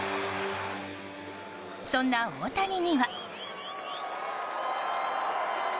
そんな大谷には。